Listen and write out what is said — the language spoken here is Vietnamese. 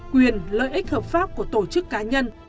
quyền lợi ích hợp pháp của tổ chức cá nhân